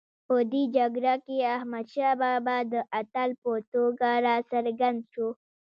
په دې جګړه کې احمدشاه بابا د اتل په توګه راڅرګند شو.